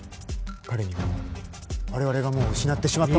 彼には我々がもう失ってしまったものを。